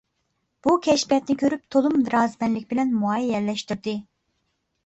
بۇ كەشپىياتنى كۆرۈپ تولىمۇ رازىمەنلىك بىلەن مۇئەييەنلەشتۈردى.